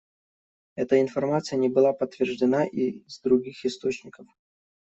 Эта информация не была подтверждена из других источников.